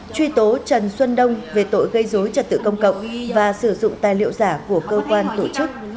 truy tố trần xuân đông về tội gây dối trật tự công cộng và sử dụng tài liệu giả của cơ quan tổ chức